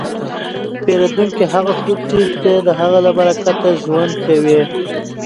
پیرودونکی هغه څوک دی چې ته د هغه له برکته ژوند کوې.